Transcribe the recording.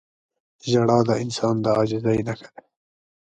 • ژړا د انسان د عاجزۍ نښه ده.